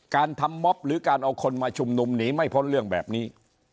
การทำม็อบหรือการเอาคนมาชุมนุมหนีไม่พ้นเรื่องแบบนี้